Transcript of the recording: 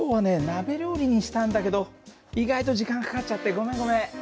鍋料理にしたんだけど意外と時間かかっちゃってごめんごめん。